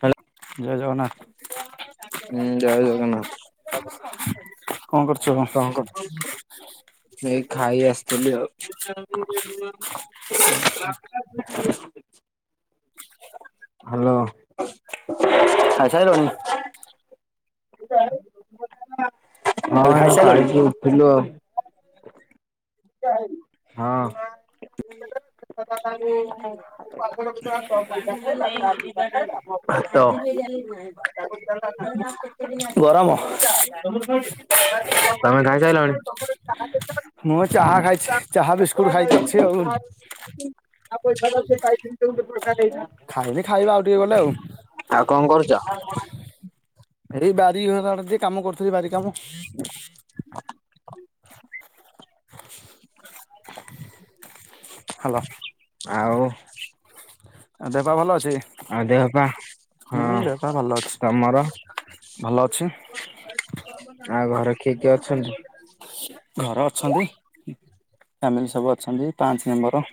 ହା ଜୟ ଜଗନ୍ନାଥ ହୁଁ ଜୟ ଜଗନ୍ନାଥ। କଣ କରୁଛ? କଣ କରୁଚୁ? ଏଇ ଖାଇ ଆସିଥିଲି ଆଉ। [unintelligible] [unintelligible] ହାଲୋ। [inaudible] ଖାଇସାଇଲଣି? [unintelligible] ହଁ କହିଲି ଏଇନା ଖାଇସାଇଲଣି? ଖାଇକି ଉଠିଲୁ ଆଉ। ହଁ। [unintelligible] ଭାତ। ଗରମ। ତମେ ଖାଇ ସାଇଲଣି? ମୁଁ ଚାହା ଖାଇଛି ଚାହା ବିସ୍କୁଟ ଖାଇକି ଅ [unintelligible] ଖାଇନି ଖାଇବା ଆଉ ଟିକେ ଗଲେ ଆଉ। ଆଉ କଣ କରୁଛ? ଏଇ ବାରି ଘର ଆଡେ ଟିକେ କାମ କରୁଥିଲି ବାରି କାମ। [inaudible] ହାଲୋ ଆଉ? ଦେହ ପା ଭଲ ଅଛି? ଆଉ ଦେହ ପା ହୁଁ ହଁ ଦେହ ପା ଭଲ ଅଛି। ତମର ଭଲ ଅଛି। ଆଉ ଘରେ କିଏ କିଏ ଅଛନ୍ତି? ଘରେ ଅଛନ୍ତି ଫ୍ୟାମିଲି ସବୁ ଅଛନ୍ତି ପାଞ୍ଚେ ମେମ୍ବର।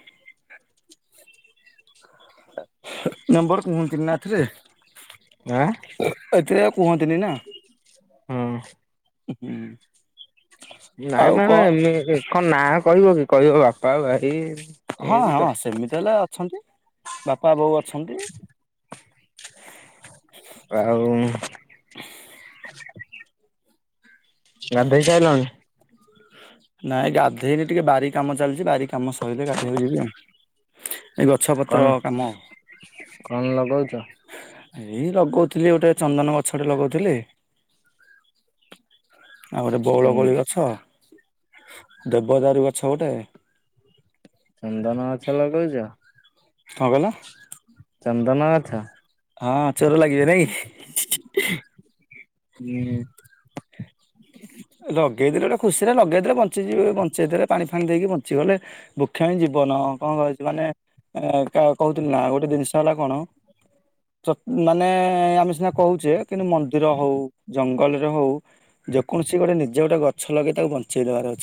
ନମ୍ବର କୁହନ୍ତିନା ଏଥିରେ। ଆଁ ଏଥିରେ ଆଉ କୁହନ୍ତିନି ନା। ହୁଁ। ହୁଁ। ନାଇଁ ଆଉ କଣ ମାନେ କ ନାଁ କହିବ କି କହିବ ବାପା ଭାଇ। ହଁ ଏମିତି ତ ହଁ ସେମିତି ହେଲେ ଅଛନ୍ତି ବାପା ବୋଉ ଅଛନ୍ତି। ଆଉ? ଗାଧୋଇ ସାଇଲଣି? ନାଇଁ ଗାଧେଇନି ଟିକେ ବାରି କାମ ଚାଲିଛି ବାରି କାମ ସରିଲେ ଗାଧେଇବାକୁ ଯିବି ଆଉ। ଏ ଗଛପତ୍ର କଣ କାମ। କଣ ଲଗଉଛ? ହେ ଏଇ ଲଗଉଥିଲି ଗୋଟେ ଚନ୍ଦନ ଗଛ ଟେ ଲଗଉଥିଲି। ଆଉ ଗୋଟେ ଚନ୍ ବଉଳକୋଳି ଗଛ, ଦେବଦାରୁ ଗଛ ଗୋଟେ। ଚନ୍ଦନ ଗଛ ଲଗଉଚ? କଣ କହିଲ? ଚନ୍ଦନ ଗଛ ହଁ ଚୋର ଲାଗିବେ ନା କି ହୁଁ। ଲଗେଇଦେଲି ଗୋଟେ ଖୁସିରେ ଲଗେଇଦେଲେ ବଞ୍ଚିଯିବେ ବଞ୍ଚେଇ ଦେଲେ ପାଣି ଫାଣି ଦେଇକି ବଞ୍ଚିଗଲେ ବୁକ୍ଷ ହିଁ ଯିବ ବନ କଣ କୋହୁଚି ମାନେ ଏ କହୁଥିଲି ନା ଗୋଟେ ଜିନିଷ ହେଲା କଣ ତ ମାନେ ଆମେ ସିନା କହୁଛେ କିନ୍ତୁ ମନ୍ଦିର ହଉ ଜଙ୍ଗଲରେ ହଉ ଯେକୌଣ ସିଏ ଗୋଟେ ନିଜ ଗୋଟେ ଗଛ ଲଗେଇ ତାକୁ ବଞ୍ଚେଇଦବାର ଅ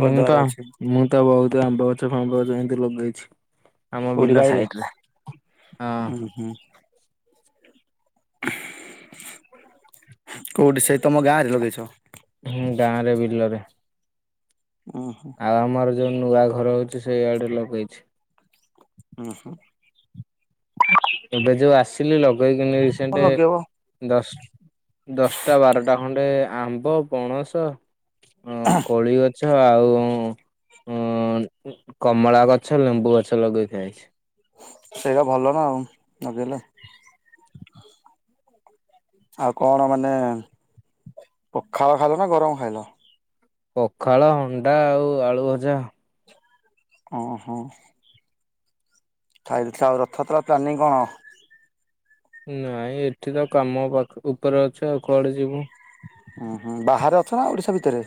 ମୁଁ ତ ମୁଁ ତ ବହୁତ ଆମ୍ବ ଗଛ ଫାମ୍ବ ଗଛ ଏମିତି ଲଗେଇଛି। ଆମ ବିଲ କୋଉଠି ବାଇରେ ସାଇଡରେ ହଁ ଉହୁଁ। କୋଉଠି ସେଇ ତମ ଗାଁ ରେ ଲଗେଇଛ? ହୁଁ ଗାଁ ରେ ବିଲରେ ଉୁଁ ହୁଁ ଆଉ ଆମର ଯୋଉ ନୂଆ ଘର ହୋଉଛି ସେଇଆଡେ ଲଗେଇଛି। ଉହୁଁ। ଏବେ ଯୋଉ ଆସିଲି ଲଗେଇକି ହଁ ରିସେଣ୍ଟ ଲଗେଇବ ଦଶ ଦଶଟା ବାରଟା ଖଣ୍ଡେ ଆମ୍ବ ପଣସ କୋଳି ଗ ଗଛ ଆଉ କମଳା ଗଛ, ଲେମ୍ବୁ ଗଛ ଲଗେଇକି ଆଇଚି। ସେଇଡ଼ା ଭଲ ନା ଆଉ ଲଗେଇଲେ। ଆଉ କଣ ମାନେ ପଖାଳ ଖାଇଲ ନା ଗରମ ଖାଇଲ? ପଖାଳ ଅଣ୍ଡା ଆଉ ଆଳୁ ଭଜା ଓ ହୋ। ଖାଇଲୁତ ଆଉ ରଥଯାତ୍ରା ପ୍ଲାନିଂ କଣ? ନାଇଁ ଏଠି ତ କାମ ପାଖ ଉପରେ ଅଛୁ ଆଉ କୁଆଡେ ଯିବୁ। ଉହୁଁ ବାହାରେ ଅଛ ନା ଓଡ଼ିଶା ଭିତରେ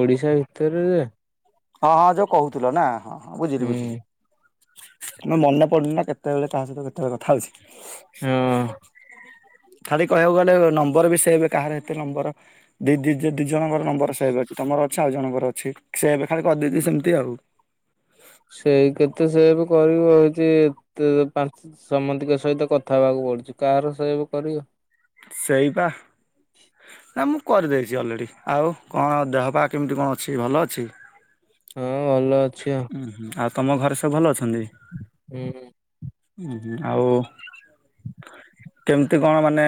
ଓଡ଼ିଶା ଭିତରେ ଯେ ହଁ ହଁ ଯୋଉ କହୁଥିଲ ନା ହଁ ହଁ ବୁଝିଲି ହୁଁ ବୁଝିଲି। ତମେ ମନେ ପଡୁନି ନା କେତେବେଳେ କାହା ସହିତ କେତେବେଳେ କଥା ହଉଛି। ହୁଁ। ଖାଲି କହିବାକୁ ଗଲେ ନମ୍ବର ବି ସେବ କାହାର ଏତେ ନମ୍ବର ଦି ଦି ଯେ ଦିଇ ଜଣଙ୍କର ନମ୍ବର ସେଏବେ ଅଛି। ତମର ଅଛି ଆଉ ଜଣଙ୍କର ଅଛି। ସେବେ ଖାଲି କରିଦେଇି ସେମିତି ଆଉ। ହୋଉଚି ତ୍ ପାଞ୍ଚ ସମତିଙ୍କ ସହିତ କଥା ହେବାକୁ ପଡୁଚି କାହାର ସେବ୍ କରିବ। ସେଇପା ନା ମୁଁ। କରିଦେଇଚି ଅଲରେଡ଼ି ଆଉ କଣ ଦେହ ପା କେମିତି କଣ ଅଛି ଭଲ ଅଛି। ହଁ ଭଲ ଅ ଉହୁଁ ଆଉ ତମ ଘରେ ସବୁ ଭଲ ଅଛନ୍ତି ହୁଁ। ଉହୁଁ ଆଉ କେମିତି କଣ ମାନେ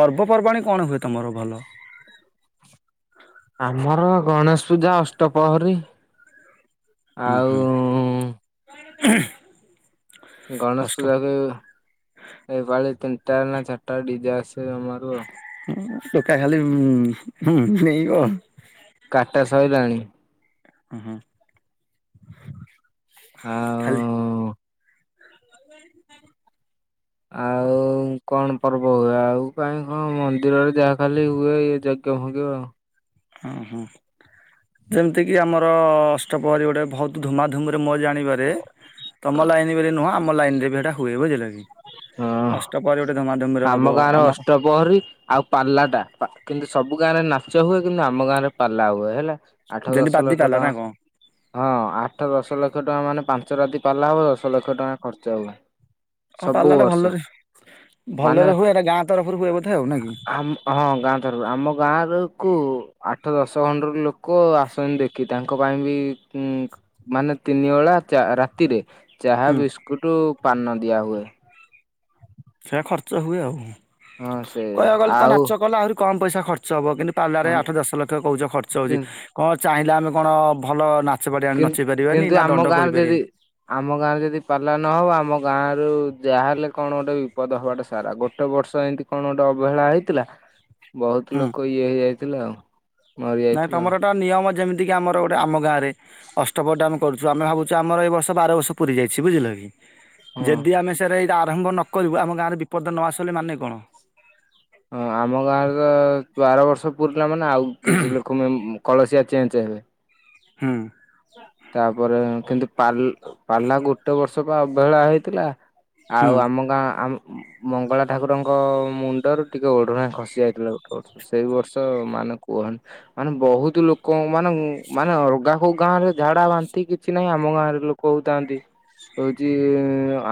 ପର୍ବପର୍ବାଣୀ କଣ ହୁଏ ତମର ଭଲ ହ ଆମର ଗଣେଶ ପୂଜା ଅଷ୍ଟପ୍ରହରୀ ଆଉ ଉଁ ଆ ଗଣେଶ ପୂଜାରେ। ଏଇପାଳି ତିନ ଟା ଚାଟା ଡ଼ିଜେ ଆସିବ ଆମାରୁ ଟୋକା ଖାଲି ଉଁ ଡେଇଁବ। କାଟା ସଇଲାଣି। ଉହୁଁ। ଆଉ ଆ ଆଉ କଣ ପର୍ବ ହୁଏ। ଆଉ କାହିଁ କଣ ମନ୍ଦିରରେ ଯାହା ଖାଲି ହୁଏ ଇ ଯ କେ [unintelligible] ଆଉ ହ ହ ଯେମିତି କିି ଆମର ଅଷ୍ଟପହରୀ ଗୋଟେ ବହୁତ ଧୁମାଧୁମ ରେ ମୋ ଜାଣିବାରେ ତମ ଲାଇନ ବେଲି ନୁହଁ ଆମ ଲାଇନ ରେ ବି ହେଟା ହୁଏ ବୁଝିଲ କି ହଁ ଅଷ୍ଟପ୍ରହରୀ ଗୋଟେ ଧୁମାଧୁମିରେ ହବ ଆମ ଗାଁରେ ଅଷ୍ଟପହରୀ ଆଉ ପାଲା ଟା କିନ୍ତୁ ସବୁ ଗାଁ ରେ ନାଚ। ନାଚ ହୁଏ କିନ୍ତୁ ଆମ ଗାଁରେ ପାଲା ହୁଏ ହେଲା। ଆଠ ଯେମିତି ଦଶ ବାଦି ଲକ୍ଷ ପାଲା ନା କଣ? ଟଙ୍କା ହଁ ଆଠ ଦଶ ଲକ୍ଷ ଟଙ୍କା ମାନେ ପାଞ୍ଚ ପାଞ୍ଚ ରାତି ପାଲା ହବ ଦଶ ଲକ୍ଷ ଟଙ୍କା ଖର୍ଚ୍ଚ ହୁଏ। ହଁ ସବୁ ପାଲା ଟା ବର୍ଷ ଭଲରେ ମାନେ ଭଲରେ ହୁଏ ଏଟା ଗାଁ ତରଫରୁ ହୁଏ ବୋଧେ ଆଉ ନା କି? ଆମ ହଁ ଗାଁତରଫରୁ ଆମ ଗାଁ ର କୁ ଆଠ ଦଶ ଖଣ୍ଡର ଲୋକ ଆସନ୍ତି ଦେଖି ତାଙ୍କ ପାଇଁ ବି ଉକ୍ ଉକୁଁ ମାନେ ତିନି ବଳା ଚା ରାତିରେ ଚାହା ହୁଁ ବିସ୍କୁଟ ପାନ ଦିଆ ହୁଏ। ସେଇ ଖର୍ଚ୍ଚ ହୁଏ ଆଉ ହଁ ସେଇଆ କହିବାକୁ ଗଲେ ତ ଆଉ ନାଚ କଲା ଆହୁରି କମ ପଇସା ଖର୍ଚ୍ଚ ହବ କିନ୍ତୁ ପାଲାରେ ଆଠ ଦଶ ଲକ୍ଷ କହୁଛ ଖର୍ଚ୍ଚ କି ହଉଛି କଣ ଚାହିଁଲେ ଆମେ କଣ ଭଲ ନାଚ ପାଟି ଆଣି ନଚେଇ କିନ୍ତ ପାରିବାନି କିନ୍ତୁ ନା ଆମ ଦଣ୍ଡ ଗାଁରେ ଯଦି କରିପାରିବାନି। ଆମ ଗାଁ ରେ ଯଦି ପାଲା ନହବ ଆମ ଗାଁରୁ ଯାହାହେଲେ କଣ ଗୋଟେ ବିପଦ ହବାଟା ସାରା ଗୋଟେ ବର୍ଷ ଏମିତି କଣ ଗୋଟେ ଅବହେଳା ହେଇଥିଲା ବହୁତ ହୁଁ ଲୋକ ଇଏ ହେଇ ଯାଇଥିଲା ଆଉ। ମରି ନାଇଁ ଯାଇଥିଲେ ଆଉ ତମର ଏଟା ନିୟମ ଯେମିତି କି ଆମର ଗୋଟେ ଆମ ଗାଁରେ ଅଷ୍ଟପହାରିଟା କରୁଛୁ ଆମେ ଭାବୁଛୁ ଆମର ଏ ବର୍ଷ ବାର ବର୍ଷ ପୂରି ଯାଇଛି ବୁଝିଲକି ହଁ। ଯଦି ଆମେ ଆରମ୍ଭ ନ କରିବୁ ଆମ ଗାଁରେ ବିପଦ ନ ଆସିବ ବୋଲି ମାନେ କଣ? ହଁ ଆମ ଗାଁରେ ତ ବାର ବର୍ଷ ପୁରିଲା ମାନେ ଆଉ କିଛି ଲୋକ ମେ କଳସିଆ ଚେଞ୍ଜ ହେବେ। ହଁ। ତାପରେ କିନ୍ତୁ ପାଲା ଗୋଟେ ବର୍ଷ ପା ଅବହେଳା ହେଇଥିଲା ହୁଁ। ଆଉ ଆମ ଗାଁ ଆମ୍ ମଙ୍ଗଳା ଠାକୁରଙ୍କ ମୁଣ୍ଡରୁ ଟିକେ ଓଢୁଣା ଖସି ଯାଇଥିଲା ଗୋଟେ ବର୍ଷ ସେଇ ବର୍ଷ ମାନେ କୁହନି ମାନେ ବହୁତ ଲୋକ ମାନେ ମାନେ ଅଲଗା ହୋ ଗାଁ ରେ ଝାଡା ବାନ୍ତି କିଛି ନାହିଁ ଆମ ଗାଁରେ ଲୋକ ହଉଥାନ୍ତି। ହଉଛି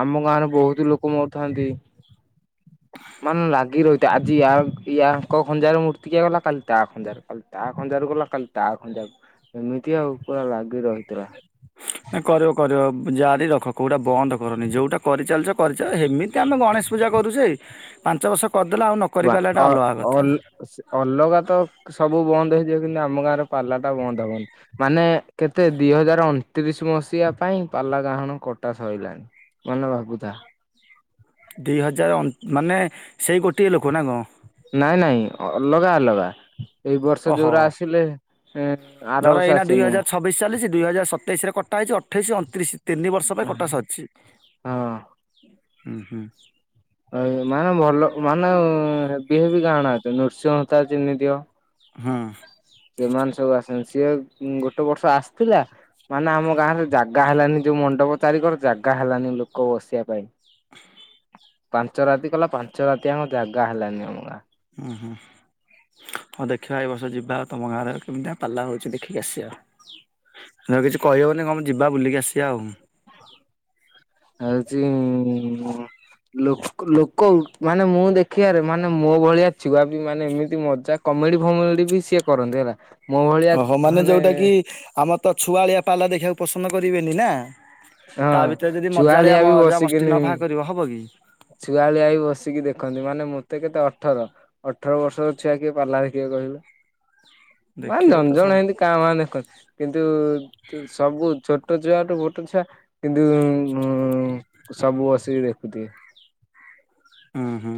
ଆମ ଗାଁରେ ବହୁତ ଲୋକ ମରୁଥାନ୍ତି। ମାନେ ଲାଗି ରହିଥାଏ। ଆଜି ୟା ୟା ଖଞ୍ଜା ମୂର୍ତ୍ତିକିଆ ଗଲା କାଲି ତା ଖଞ୍ଜାରେ କାଲି ତା ଖଞ୍ଜା ରୁ ଗଲା କାଲି ତା ଖଞାକୁ ଏମିତି ଆଉ ପୁରା ଲାଗି ରହିଥିଲା। ହ [inaudible] କରିବ କରିବ ଜାରି ରଖ କୋଉଟା ବନ୍ଦ କରନି ଯୋଉଟା କରିଚାଲିଛ କରିଚାଲ ସେମିତି ଆମେ ଗଣେଶ ପୂଜା କରୁଛେ ପାଞ୍ଚ ବର୍ଷ କରିଦେଲା ଆଉ ନ କରି ବା ପାରିଲା ଅ ଏଟା ଅଲଗା ଅ କଥା। ଅଲଗା ତ ସବୁ ବନ୍ଦ ହେଇଯିବ କିନ୍ତୁ ଆମ ଗାଁର ପାଲା ଟା ବନ୍ଦ ହବନି ମାନେ କେତେ ଦି ହଜାର ଅଣତିରିଶ ମ ସିହୁ ପାଇଁ ପାଲା ଗାହାଣ କଟା ସଇଲାଣି ମାନେ ଭାବୁଥା ଦି ହଜାର ମାନେ ସେଇ ଗୋଟିଏ ଲୋକ ନା କଣ? ନାଇଁ ନାଇଁ ଅଲଗା ଅଲଗା ଏଇ ବର୍ଷ ଓହୋ ଯୋଉରା ଆସିଲେ ଏଁ ଆର ଧର ବର୍ଷ ଏଇନା ଦୁଇ ଆସିନି ହଜାର ଛବିଶ ଚାଲିଛି ଦୁଇ ହଜାର ସତେଇଶରେ କଟା ହେଇଛି ଅଠେଇଶି ଅଣତିରିଶି ତିନି ବର୍ଷ ପାଇଁ କଟାସରିଛି ହଁ। ହୁଁ ହୁ। ମାନେ ଭଲ ମାନେ ହେବି ହେବି ଗାଣ ଆଇଚନ୍ତି ନୃସିଂହ ହୋତା ଚିହ୍ନିଥିବ। ହଁ। ସେମାନେ ସବୁ ଆସନ୍ତି ସିଏ ଗୋଟେ ବର୍ଷ ଆସିଥିଲା ମାନେ ଆମ ଗାଁ ରେ ଜାଗା ଜାଗା ହେଲାନି ଯୋଉ ମଣ୍ଡପ ଚାରିିକର ଜାଗା ହେଲାନି ଲୋକ ବସିବା ପାଇଁ ପାଞ୍ଚ ରାତି କଲା ପାଞ୍ଚ ରାତି ଆମ ଜାଗା ହେଲାନି ଅମଗା ହୁଁ ହୁ। ହଁ ଦେଖିବା ଏ ବର୍ଷ ଯିବା ଆଉ ତମ ଗାଁରେ କେମିତି ପାଲା ହଉଛି ଦେଖିକି ଆସିବା। କିଛି କହିହବନି କଣ ଯିବା ବୁଲିକି ଆସିବା ଆଉ। ହଉଛି ଇଁ ଲୋକ ଲୋକ ମାନେ ମୁଁ ଦେଖିବାରେ ମାନେ ମୋ ଭଳିଆ ଛୁଆ ବି ମାନେ ଏମିତି ମଜା କ କମେଡି଼ ଫମେଡ଼ି ବି ସିଏ କରନ୍ତି ହେଲା। ମୋ ଭଳିଆ ଓହୋ ମାନେ ଯୋଉଁଟା କି ଆମର ତ ଛୁଆଳିଆ ପାଲା ଦେଖିବାକୁ ପସନ୍ଦ କରିବେନି ନା ହଁ ତା ଭିତରେ ଯଦି ଚୁଆଳିଆ ମଜାଳିଆ ମଜା ମସ୍ଟି ନବାହା କରିବ ହବ କି? ଛୁଆଳିଆଇ ବସିକି ଦେଖନ୍ତି ମାନେ ମତେ କେତେ ଅଠର ଅଠର ବର୍ଷର ଛୁଆ କିଏ ପାଲା ଦେଖି ଦେଖିଆ କହିଲେ। ହ [inaudible] ହଁ ଜଣେ ଜଣେ ସେମିତି କାଁ ଭାଁ ଦେଖନ୍ତି। କିନ୍ତୁ ସବୁ ଛୋଟ ଛୁଆ ଠୁ ବୋଟ ଛୁଆ କିନ୍ତୁ ଉ ଉ ସବୁ ବସିକି ଦେଖୁଥିବେ। ହୁଁ ହୁଁ।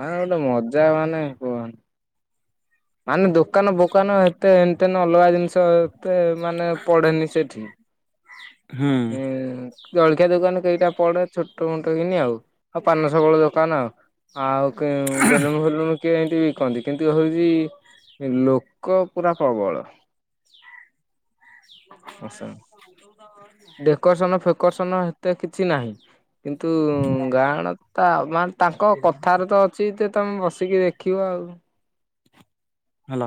ମାନେ ଗୋଟେ ମଜା ମାନେ କୁହନି। ମାନେ ଦୋକାନ ବୋକାନ ଏତେ ହେନ୍‌ ତେନ୍ ‌ଅଲଗା ଜିନିଷ ତେ ମାନେ ପଡେନି ସେଠି ଇ ହୁଁ ଉଁ ଜଳଖିଆ ଦୋକାନ କେଇଟା ପଡେ ଛୋଟମୋଟ କିନା ଆଉ, ଆଉ ପାନ ସଫଳ ଦୋକାନ ଆଉ [inaudible] ବେଲୁନ୍‌ ଫେଲୁନ୍‌ କିଏ ଏଇତି କହନ୍ତି, କିନ୍ତୁ ହୋଉଚି ଲୋକ ପୁରା ପ୍ରବଳ। [unintelligible] ଡେକୋରସନ ଫେକୋରସନ ହେତେ କିଛି ନାହିଁ। କିନ୍ତୁ ଗାଁ ଆଡ଼େ ମାନେ ତାଙ୍କ କଥାରେ ତ ଅଛି ତେ ତମେ ବସିକି ଦେଖିବ ଆଉ ହେଲୋ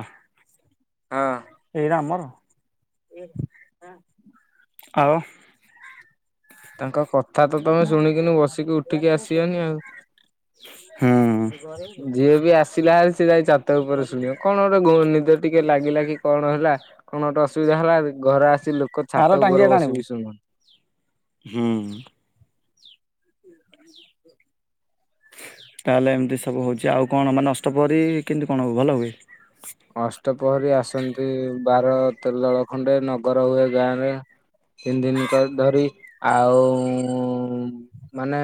ହଁ। ଏଇଟା ଆମର? [inaudible] ଆଉ ତାଙ୍କ କ ଆସିବନି [inaudible] ଆଉ। ହଁ ଯିଏ ବି ଆସିଲା ସେ ଯାଇଁ ଛାତ ଉପରେ ଶୁଣିବ କଣ ଗୋଟେ ଗୋ ନିଦ ଟିକେ ଲାଗିଲା କି କଣ ହେଲା କଣ ଗୋଟେ ଅସୁବିଧା ହେଲା। ଘର ଆସି ଲୋକ ଆର ଛାତ ଉପରେ ଟାଙ୍ଗିଆଟା ଆଣିବୁ। ବସିକି ସୁନ ହୁଁ [inaudible] ତାହେଲେ ଏମତି ସବୁ ହଉଚି? [inaudible] ଆଉ କଣ ମାନେ ଅଷ୍ଟପ୍ରହରୀ କେମିତି କଣ ହୁଏ, ଭଲ ହୁଏ? ଅଷ୍ଟପହରୀ ଆସନ୍ତି ବାର ତେର ଦଳ ଖଣ୍ଡେ ନଗର ହୁଏ ଗାଁ ରେ ତିନି ଦିନି ଙ୍କ ଧରି ଆଉ ମାନେ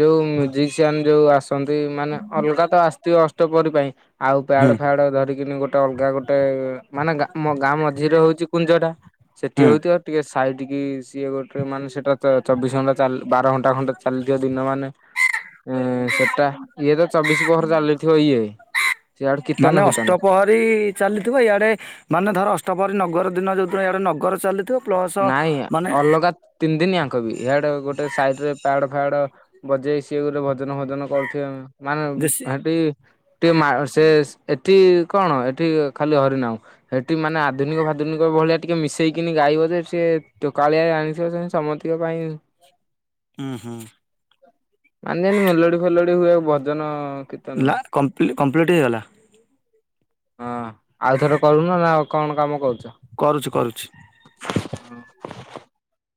ଯୋଉଁ ମିଉଜିକ୍‌ସିଆନ୍‌ ଯୋଉ ଆସନ୍ତି ମାନେ ଅଲଗା ତ ଆସଥିବେ ଅଷ୍ଟପ୍ରହରୀ ପାଇଁ ଆଉ ପ୍ୟାଡ ହୁଁ ଫ୍ୟାଡ ଧରିକି ଗୋଟେ ଅଲଗା ଗୋଟେ ଏ ମାନେ ଗାଁ ମ ଗାଁ ମଝିରେ ହଉଛି କୁଞ୍ଜ ଟା ସେଠି ହୁଁ ହଉଥିବ ଟିକେ ସେ ସାଇଟିକି ସିଏ ଗୋଟେ ମାନେ ସେଟା ତ ଚବିଶି ଘଣ୍ଟା ଚାଲ୍‌ ବାର ଘଣ୍ଟା ଖଣ୍ଡେ ଚାଲିଥିବ ଦିନ ମାନ ଏ ହୁଁ ସେଟା ଇଏ ତ ଚବିଶ ପହର ଚାଲିଥିବ ଇଏ, ସିଆଡେ କୀତ୍ତନ ଫୀତନ ବି ଚାଲିଥିବ। ଇଆଡ଼େ ମାନେ ଧର ଅଷ୍ଟପହରୀ ନଗର ଦିନ ଯୋଉଁ ଦିନ ଗୋଟେ ନଗର ଚାଲିଥିବ ପ୍ଲସ ନାଇଁ ମାନେ ଅଲଗା ତିନି ଦିନି ୟାଙ୍କ ବି ଇଆଡ଼େ ଗୋଟେ ସାଇଟ୍ ରେ ପ୍ୟାଡ୍‌ [inaudible] ବଜେଇ ସିଏ ଗୋଟେ ଭଜନ ଫଜନ କରୁଥିବେ। ଆମେ ନାଇଁ ନାଇଁ ଦେଶୀ ହେଟି ସେ ଏଠି କଣ ଏଠି ଖାଲି ହରିନାମ, ସେଠି ମାନେ ଆଧୁନିକ ଫାଦୁନିକ ଭଳିଆ ଟିକେ ମିଶେଇକିନି ଗାଇବ ଯେ [inaudible] ସେ ଟୋକାଳିଆ ଜାଣିଥିବ ସମତିକ ପାଇଁ ହୁଁ ହୁଁ। ପାଞ୍ଚ ଦିନି ମେଲୋଡି ଫେଲୋଡି ହୁଏ ଭଜନ କୀର୍ତ୍ତନ ନାଁ କମ୍ପ୍ଲିଟ୍ କମ୍ପ୍ଲିଟ୍ ହେଇଗଲା। ହଁ ଆଉ ଥରେ କରୁନ ନା ଆଉ କଣ କାମ କରୁଚ? କରୁଛି କରୁଛି। ହୁଁ।